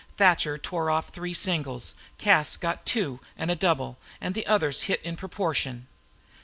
Thatcher tore off three singles; Cas got two and a double; and the others hit in proportion.